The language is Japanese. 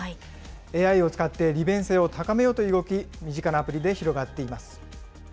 ＡＩを使って利便性を高めようという動き、身近なアプリで広がっています。